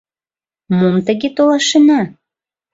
Мом тыге толашена?